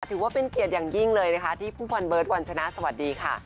ถือว่าเป็นเกียรติอย่างยิ่งเลยนะคะที่ผู้พันเบิร์ตวันชนะสวัสดีค่ะ